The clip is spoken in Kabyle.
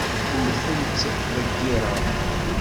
Ur ten-ttḍeyyireɣ.